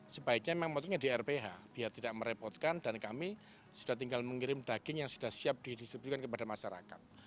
sebaiknya memang motifnya di rph biar tidak merepotkan dan kami sudah tinggal mengirim daging yang sudah siap didistribusikan kepada masyarakat